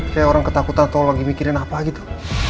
kayak orang ketakutan atau lagi mikirin apa gitu